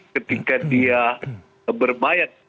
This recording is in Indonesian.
ketika dia berbayat